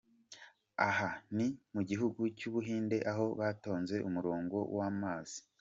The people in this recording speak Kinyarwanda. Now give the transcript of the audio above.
Aha ni mu gihugu cy'u Buhinde aho batonze umurongo w'amazi.